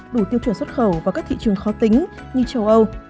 đủ tiêu chuẩn xuất khẩu vào các thị trường khó tính như châu âu